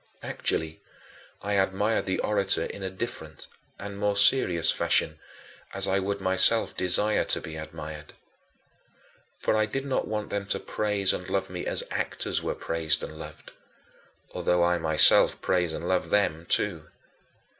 Actually, I admired the orator in a different and more serious fashion, as I would myself desire to be admired. For I did not want them to praise and love me as actors were praised and loved although I myself praise and love them too.